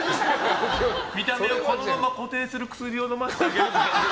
見た目をこのまま固定する薬を飲ませてあげるからね。